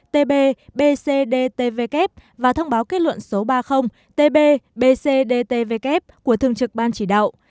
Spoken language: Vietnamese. tb bcdtvk và thông báo kết luận số ba mươi tb bcdtvk của thường trực ban chỉ đạo